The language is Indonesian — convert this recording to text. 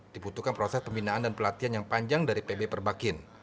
dibutuhkan proses pembinaan dan pelatihan yang panjang dari pb perbakin